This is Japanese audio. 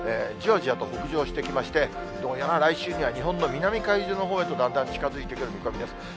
じわじわと北上してきまして、どうやら来週には日本の南海上のほうへとだんだん近づいてくる見込みです。